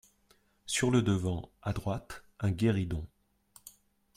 Sur le devant, à droite, un guéridon.